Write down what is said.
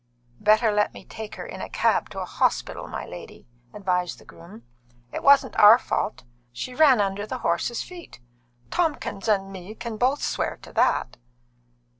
"Better let me take her in a cab to a hospital, my lady," advised the groom. "It wasn't our fault. She ran under the horses' feet. Tomkins and me can both swear to that."